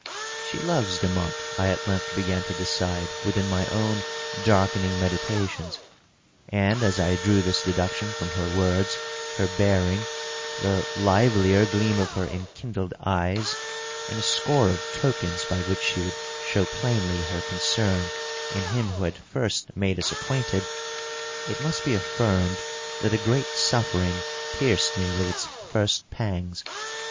" She loves Demotte/^ I at length began to decide within my own darkening meditations. And as I drew this deduction from her words, lier bearing, the livelier gleam of her enkindled eyes, and a score of tokens by which she would show plainly her concern in him who had first made us acquainted, it must be affirmed that a great suffering Jierced me with its first pangs.